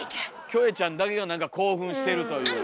キョエちゃんだけが何か興奮してるという。